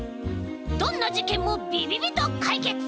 どんなじけんもびびびとかいけつ！